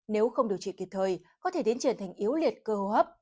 nếu không điều trị kịp thời có thể tiến truyền thành yếu liệt cơ hộ hấp